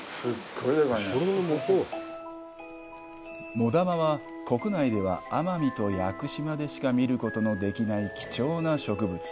モダマは、国内では奄美と屋久島でしか見ることのできない貴重な植物。